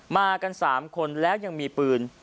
มากัน๓คนแล้วยังมีปืน